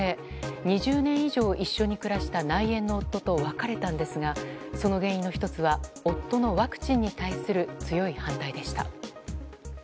２０年以上一緒に暮らした内縁の夫と別れたんですがその原因の１つが夫のワクチンに対する強い反対でした。